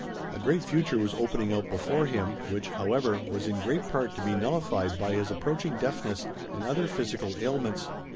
A great future was opening out before him, which, however, was in great part to be nullified by his approaching deafness and other physical ailments.